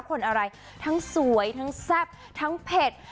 คนอะไรทั้งสวยทั้งแซ่บทั้งเผ็ด